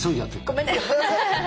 ごめんね。